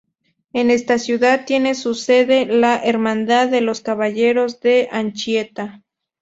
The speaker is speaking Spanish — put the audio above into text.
En esta ciudad tiene su sede la Hermandad de los Caballeros de Anchieta.